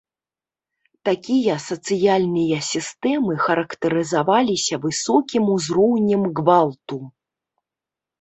Такія сацыяльныя сістэмы характарызаваліся высокім узроўнем гвалту.